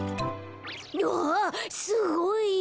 わっすごい！